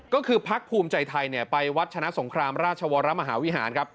ก็คือพักภูมิใจไทยไปวัดชนะสงครามราชวรมหาวิหารครับ